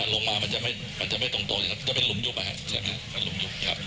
ลงมามันจะไม่ตรงโตจะเป็นหลุมยุบนะครับ